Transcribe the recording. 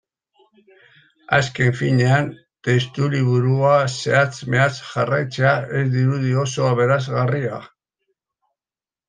Azken finean, testuliburua zehatz-mehatz jarraitzeak ez dirudi oso aberasgarria.